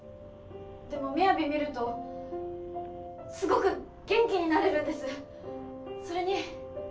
でもＭＩＹＡＶＩ見るとすごく元気になれるんですそれに